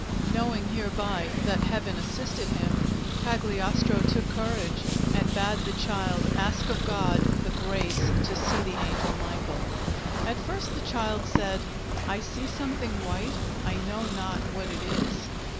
Knowing hereby that Heaven assisted him, Cagliostro took courage, and bade the child ask of God the grace to see the angel Michael. At first the child said: "I see something white; I know not what it is."